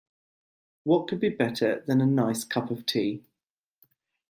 What could be better than a nice cup of tea?